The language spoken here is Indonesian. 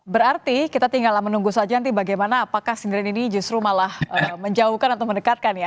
berarti kita tinggal menunggu saja nanti bagaimana apakah sindiran ini justru malah menjauhkan atau mendekatkan ya